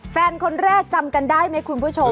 แฟนคนแรกจำกันได้ไหมคุณผู้ชม